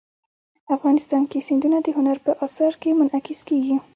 افغانستان کې سیندونه د هنر په اثار کې منعکس کېږي.